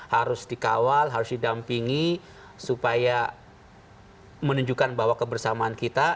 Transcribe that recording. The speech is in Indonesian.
harus dikawal harus didampingi supaya menunjukkan bahwa kebersamaan kita